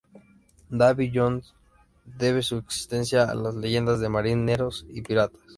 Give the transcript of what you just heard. Davy Jones debe su existencia a las leyendas de marineros y piratas.